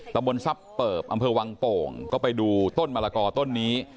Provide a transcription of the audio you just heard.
ตะบนทรัพย์เปิบอำเภอวังโป่งก็ไปดูต้นมะละกอต้นนี้